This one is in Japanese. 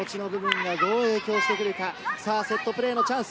セットプレーのチャンス。